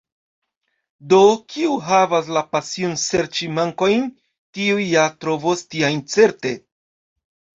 Do, kiu havas la pasion serĉi mankojn, tiu ja trovos tiajn certe.